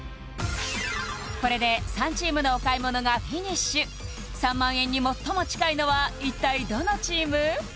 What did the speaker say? これで３チームのお買い物がフィニッシュ３万円に最も近いのは一体どのチーム？